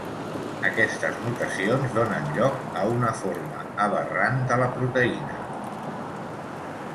Aquestes mutacions donen lloc a una forma aberrant de la proteïna.